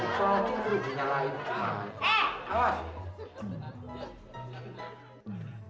kok curi curi dinyalain